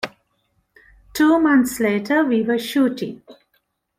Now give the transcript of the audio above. Two months later, we were shooting.